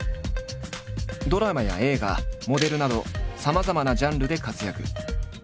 ドラマや映画モデルなどさまざまなジャンルで活躍。